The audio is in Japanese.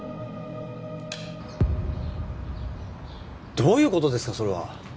どういうことですかそれは？